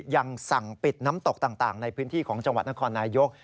ยังสั่งปิดน้ำตกต่างในพื้นที่ของจังหวัดนครนายก